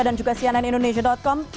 dan juga sianan indonesia com